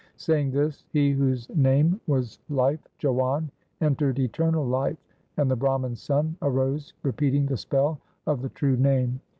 Saying this, he whose name was life — Jiwan — entered eternal life, and the Brahman's son arose repeating the spell of the true Name.